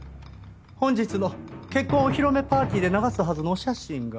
本日の結婚お披露目パーティーで流すはずのお写真が。